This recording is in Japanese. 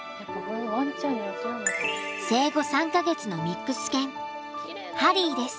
生後３か月のミックス犬ハリーです。